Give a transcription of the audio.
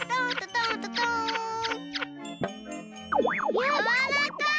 やわらかい。